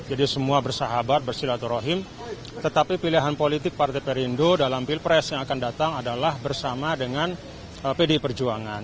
jadi semua bersahabat bersilaturahim tetapi pilihan politik partai perindo dalam pilpres yang akan datang adalah bersama dengan pdi perjuangan